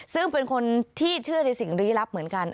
ซึ่งเป็นคนที่เชื่อในสิ่งลี้ลับเหมือนกัน